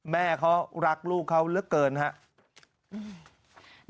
แม่เขารักลูกเขาเกินครับ